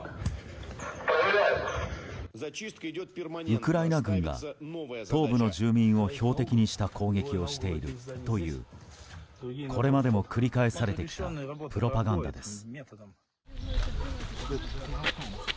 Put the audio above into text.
ウクライナ軍が東部の住民を標的にした攻撃をしているというこれまでも繰り返されてきたプロパガンダです。